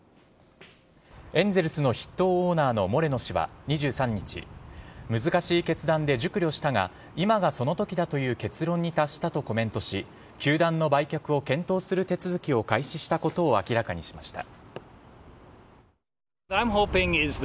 エンゼルスの筆頭オーナーのモレノ氏は２３日難しい決断で熟慮したが今がその時だという結論に達したとコメントし球団の売却を検討する手続きを開始したことを明らかにしました。